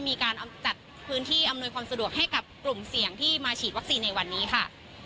มีการจัดพื้นที่อำนวยความสะดวกให้กับกลุ่มเสี่ยงที่มาฉีดวัคซีนในวันนี้ค่ะ